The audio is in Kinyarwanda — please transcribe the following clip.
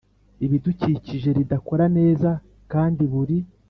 Ibidukikije ridakora neza kandi buri